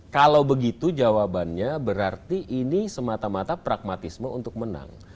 kalau begitu jawabannya berarti ini semata mata pragmatisme untuk menang